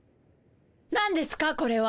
なんですかこれは。